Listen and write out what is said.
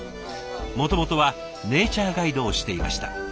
もともとはネイチャーガイドをしていました。